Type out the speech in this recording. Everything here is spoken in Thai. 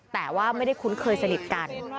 แต่ว่าไม่ได้คุ้นเคยสนิทกัน